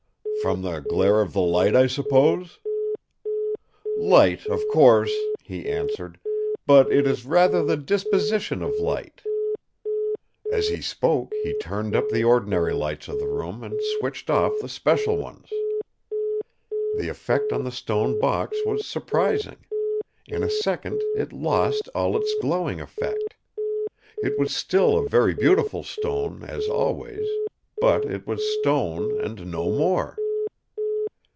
"'From the glare of the light, I suppose?' "'Light of course,' he answered, 'but it is rather the disposition of light.' As he spoke he turned up the ordinary lights of the room and switched off the special ones. The effect on the stone box was surprising; in a second it lost all its glowing effect. It was still a very beautiful stone, as always; but it was stone and no more.